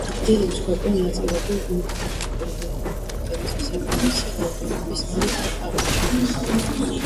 დიდი მსხვერპლი ნაწილობრივ იმით იყო განპირობებული, რომ გემზე საკმარისი რაოდენობის ნავი არ აღმოჩნდა.